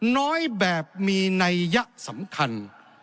น้อยแบบมีในยะสำคัญ